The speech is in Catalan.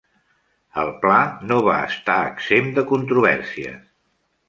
El pla no va estar exempt de controvèrsies.